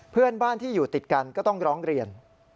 เพื่อนบ้านที่อยู่ติดกันก็ต้องร้องเรียน